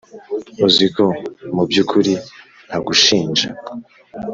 uziko mubyukuri ntagushinja